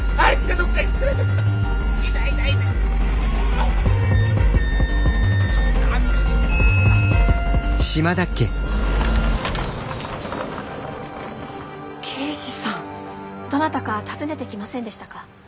どなたか訪ねてきませんでしたか？